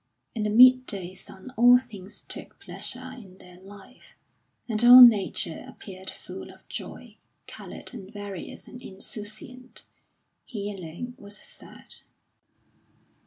In the mid day sun all things took pleasure in their life; and all Nature appeared full of joy, coloured and various and insouciant. He alone was sad.